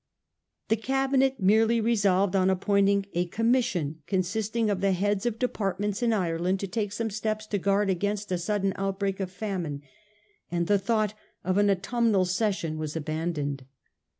The Cabinet merely re solved on appointing a Commission, consisting of the heads of departments in Ireland, to take some steps to guard against a sudden outbreak of famine, and the thought of an autumnal session was abandoned.